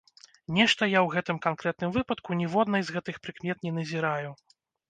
Нешта я ў гэтым канкрэтным выпадку ніводнай з гэтых прыкмет не назіраю.